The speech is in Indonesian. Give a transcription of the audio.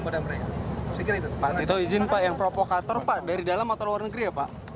pak tito izin pak yang provokator pak dari dalam atau luar negeri ya pak